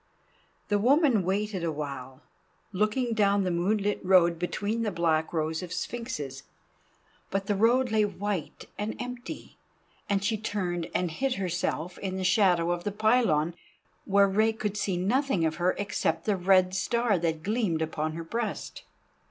The woman waited awhile, looking down the moonlit road between the black rows of sphinxes, but the road lay white and empty, and she turned and hid herself in the shadow of the pylon, where Rei could see nothing of her except the red star that gleamed upon her breast.